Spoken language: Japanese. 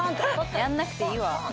やんなくていいわ。